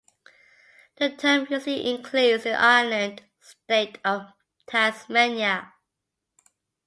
The term usually includes the island state of Tasmania.